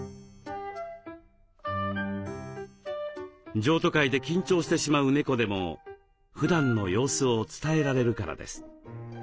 譲渡会で緊張してしまう猫でもふだんの様子を伝えられるからです。